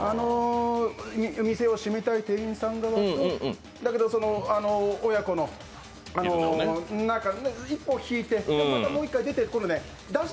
店を閉めたい店員さん側とだけど親子の、なんか、一歩引いて、もう１回出てくる。